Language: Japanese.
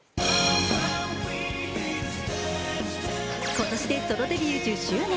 今年でソロデビュー１０周年。